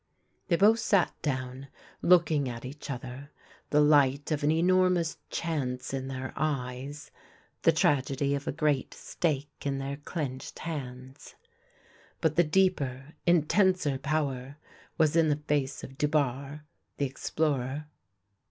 They both sat down, looking at each other, the light of an enormous chance in their eyes, the tragedy of a great stake in their clenched hands ; but the deeper, intenser power was in the face of Dubarre, the ex plorer.